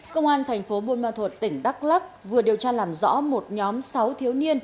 công an tp bôn ma thuật tỉnh đắk lắk vừa điều tra làm rõ một nhóm sáu thiếu niên